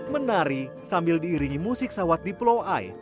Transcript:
menari sambil diiringi musik sawat di pulau ai